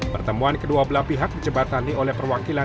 pertemuan kedua belah pihak dijebatani oleh perwakilan